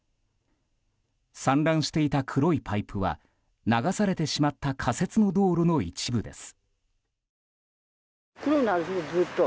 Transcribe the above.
散乱していた黒いパイプは流されてしまった仮設の道路の一部です。